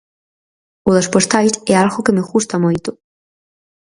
O das postais é algo que me gusta moito.